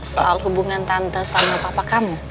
soal hubungan tante sama papa kamu